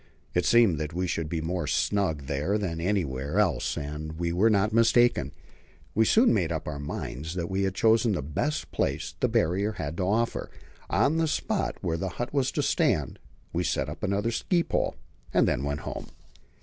It seemed that we should be more snug there than anywhere else, and we were not mistaken. We soon made up our minds that we had chosen the best place the Barrier had to offer. On the spot where the hut was to stand we set up another ski pole, and then went home.